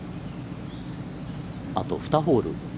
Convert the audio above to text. あと２ホール。